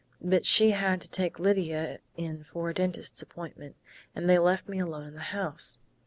But she had to take Lydia in for a dentist's appointment, and they left me alone in the house.